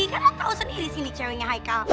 kan lu tau sendiri disini ceweknya haikel